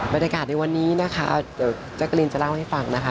บรรยากาศในวันนี้นะคะเดี๋ยวแจ๊กกะลินจะเล่าให้ฟังนะคะ